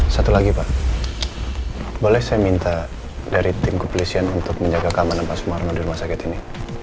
satu lagi pak boleh saya minta dari tim kepolisian untuk menjaga keamanan pak sumarno di rumah sakit ini